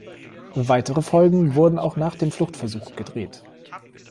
Weitere Folgen wurden auch nach dem Fluchtversuch gedreht.